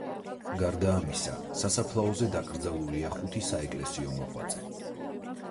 გარდა ამისა, სასაფლაოზე დაკრძალულია ხუთი საეკლესიო მოღვაწე.